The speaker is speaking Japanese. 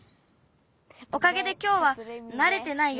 おかげできょうはなれてないよ